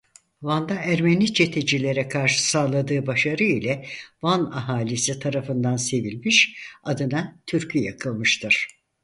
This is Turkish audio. Van'da Ermeni çetecilere karşı sağladığı başarı ile Van ahalisi tarafından sevilmiş adına türkü yakılmıştır.